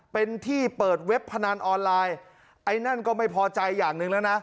เป็นที่เปิดเว็บพนันออนไลน์ไอ้นั่นก็ไม่พอใจอย่างหนึ่งแล้วนะ